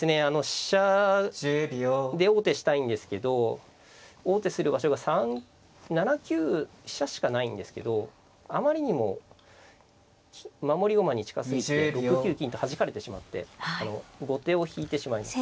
飛車で王手したいんですけど王手する場所が７九飛車しかないんですけどあまりにも守り駒に近すぎて６九金とはじかれてしまって後手を引いてしまいます。